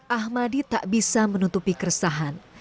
ahmadi tak bisa menutupi keresahan